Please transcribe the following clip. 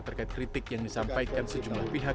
terkait kritik yang disampaikan sejumlah pihak